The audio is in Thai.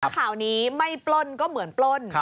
ข่าวนี้ไม่ปล้นก็เหมือนปล้น